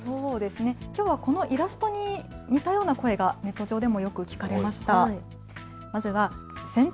きょうはこのイラストに似たような声がネット上でもよく聞かれました。